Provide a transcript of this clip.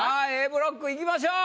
Ａブロックいきましょう。